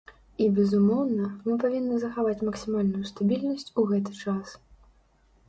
І безумоўна, мы павінны захаваць максімальную стабільнасць у гэты час.